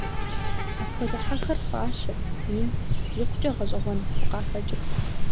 Апхуэдэ хьэхэр пӀащэт, инт, икъукӀэ гъэщӀэгъуэн хъу къахэкӀырт.